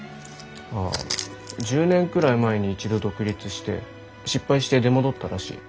ああ１０年くらい前に一度独立して失敗して出戻ったらしい。